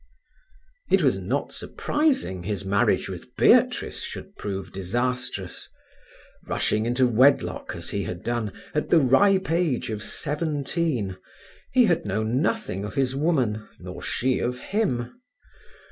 It was not surprising his marriage with Beatrice should prove disastrous. Rushing into wedlock as he had done, at the ripe age of seventeen, he had known nothing of his woman, nor she of him.